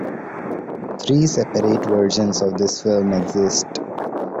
Three separate versions of this film exist.